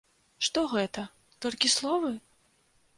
Што гэта, толькі словы?